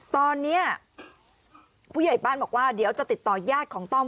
ตอนนี้ผู้ใหญ่บ้านบอกว่าเดี๋ยวจะติดต่อยาดของต้อม